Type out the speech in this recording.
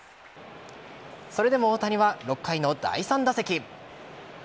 それでも大谷は６回の第３打席。